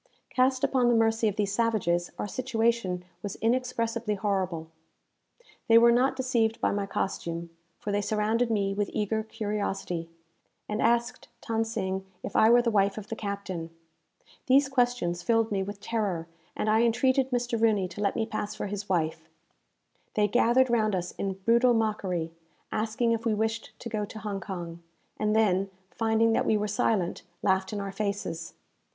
Cast upon the mercy of these savages, our situation was inexpressibly horrible. They were not deceived by my costume; for they surrounded me with eager curiosity, and asked Than Sing if I were the wife of the captain. These questions filled me with terror, and I entreated Mr. Rooney to let me pass for his wife. They gathered round us in brutal mockery, asking if we wished to go to Hong Kong; and then, finding that we were silent, laughed in our faces.